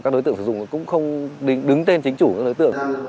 các đối tượng sử dụng cũng không đứng tên chính chủ các đối tượng